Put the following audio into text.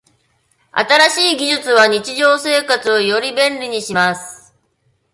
新しい技術は日常生活をより便利にします。